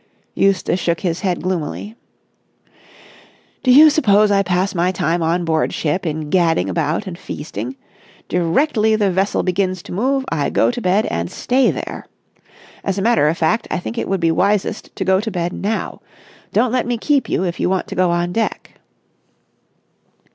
Eustace shook his head gloomily. "Do you suppose I pass my time on board ship in gadding about and feasting? Directly the vessel begins to move, I go to bed and stay there. As a matter of fact, I think it would be wisest to go to bed now. Don't let me keep you if you want to go on deck."